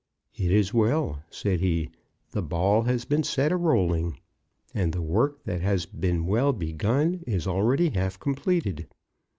"It is well," said he; "the ball has been set a rolling, and the work that has been well begun is already half completed.